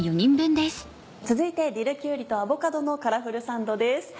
続いてディルきゅうりとアボカドのカラフルサンドです。